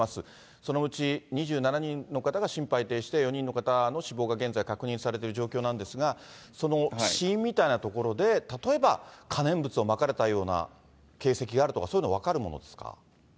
そのうち２７人の方が心肺停止で、４人の方の死亡が現在確認されている状況なんですが、その死因みたいなところで、例えば可燃物をまかれたような形跡があるとか、そういうものは分かるものですか？